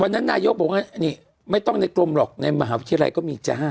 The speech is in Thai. นายกบอกว่านี่ไม่ต้องในกรมหรอกในมหาวิทยาลัยก็มีจ้า